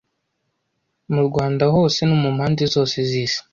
mu Rwanda hose no mumpande zose zisi